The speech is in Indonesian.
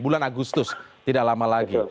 bulan agustus tidak lama lagi